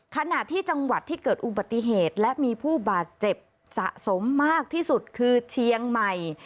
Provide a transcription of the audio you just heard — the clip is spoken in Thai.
ขณะที่จังหวัดที่เกิดอุบัติเหตุและมีผู้บาดเจ็บสะสมมากที่สุดคือเชียงใหม่